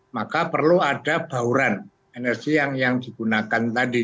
maka perlu ada bauran energi yang digunakan tadi